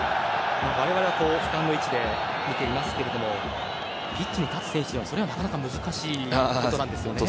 我々は、俯瞰の位置で見ていますけれどもピッチに立つ選手はそれはなかなか本当、そうですね。